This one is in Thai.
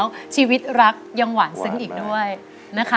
ขอจองในจ่ายของคุณตะกะแตนชลดานั่นเองนะครับ